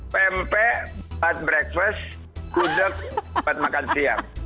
pempek buat breakfast gudeg buat makan siang